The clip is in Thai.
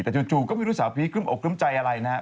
แต่จู่ก็ไม่รู้สาวพีคกลุ่มอกกลุ่มใจอะไรนะฮะ